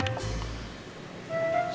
gak bagus buat lambung